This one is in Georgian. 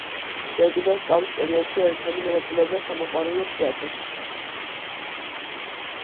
ჯერ კიდევ სწავლის პერიოდში ერქანი მონაწილეობდა სამოყვარულო თეატრში.